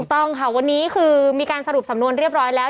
ต้องค่ะวันนี้คือมีการสรุปสำนวนเรียบร้อยแล้ว